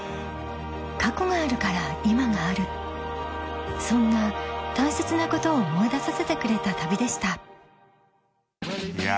過去があるから今があるそんな大切なことを思い出させてくれた旅でしたいや